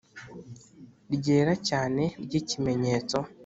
ryera cyane ry'ikimenyetso